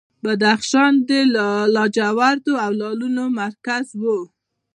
بدخشان د لاجوردو او لعلونو مرکز و